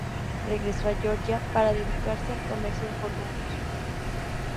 Regresó a Georgia para dedicarse al comercio en Columbus.